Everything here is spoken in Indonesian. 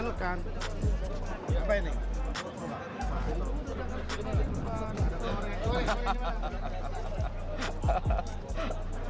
nah kita kasih plastik